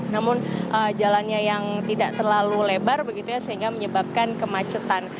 namun jalannya yang tidak terlalu lebar begitu ya sehingga menyebabkan kemacetan